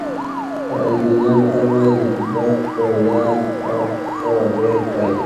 د الجېریا متل وایي بد په یاد او ښه هېر کړئ.